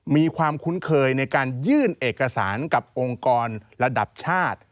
มีความคุ้นเคยในการยื่นเอกสารกับองค์กรระดับชาติ